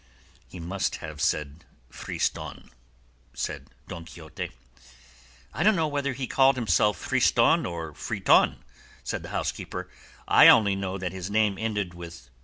"He must have said Friston," said Don Quixote. "I don't know whether he called himself Friston or Friton," said the housekeeper, "I only know that his name ended with 'ton.